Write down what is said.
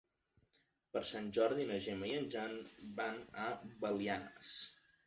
Per Sant Jordi na Gemma i en Jan van a Belianes.